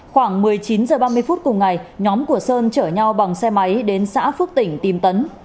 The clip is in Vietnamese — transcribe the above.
khoảng một mươi chín h ba mươi phút cùng ngày nhóm của sơn chở nhau bằng xe máy đến xã phước tỉnh tìm tấn